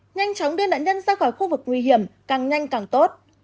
nhanh chóng đưa nạn nhân ra khỏi khu vực nguy hiểm càng nhanh càng tốt